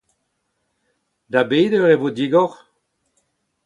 Da bet eur e vo digor ?